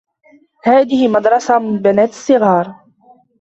هذه مردسة للبنات الصغار.